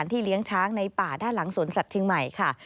เลี้ยงช้างในป่าด้านหลังสวนสัตว์เชียงใหม่ค่ะ